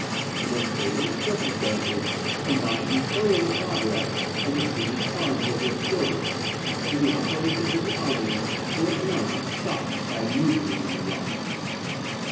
The most favourable circumstances combined to further the progress of the Swedish arms in this quarter, when the operations of the army were at once stopped by a mutiny among the officers.